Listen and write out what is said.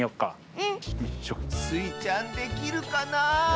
うん。スイちゃんできるかなあ？